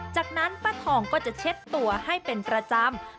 จากนั้นป้าทองก็จะเช็ดตัวให้เป็นประจำ